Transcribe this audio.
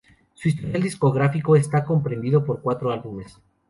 Su historial discográfico está comprendido por cuatro álbumes.